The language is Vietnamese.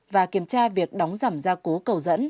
và kiểm tra việc đóng giảm gia cố cầu dẫn